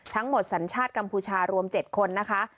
ทั้งหมดสัญชาติกัมพูชารวม๗คนนะคะ